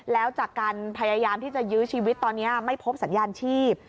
แล้วจากการพยายามที่จะยื้อชีวิตตอนนี้ไม่พบสัญญาณชีพ